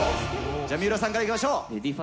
じゃあ、水卜さんからいきましょう。